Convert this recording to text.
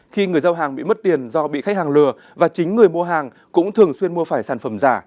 khi người giao hàng bị mất tiền do bị khách hàng lừa và chính người mua hàng cũng thường xuyên mua phải sản phẩm giả